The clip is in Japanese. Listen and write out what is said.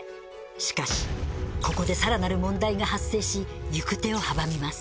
しかしここでさらなる問題が発生し行く手を阻みます。